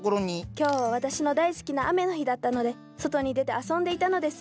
今日は私の大好きな雨の日だったので外に出て遊んでいたのです。